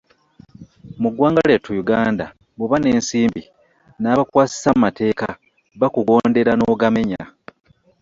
Mu ggwanga lyattu uganda bw'oba n'ensimbi n'abakwasisa amateeka bakugondera n'ogamenya.